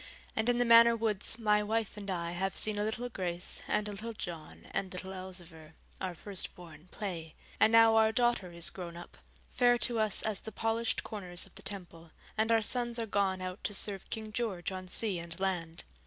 And in the Manor woods my wife and I have seen a little Grace and a little John and little Elzevir, our firstborn, play; and now our daughter is grown up, fair to us as the polished corners of the Temple, and our sons are gone out to serve King George on sea and land.